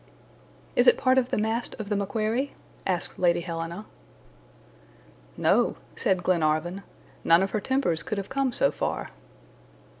"Is it part of the mast of the MACQUARIE?" asked Lady Helena. "No," said Glenarvan, "none of her timbers could have come so far."